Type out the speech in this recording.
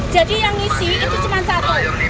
jadi yang isi itu cuma satu